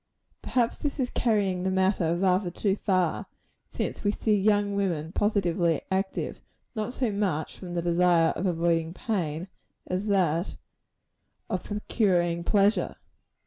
Perhaps this is carrying the matter rather too far; since we see young children positively active, not so much from the desire of avoiding pain, as from that of procuring pleasure.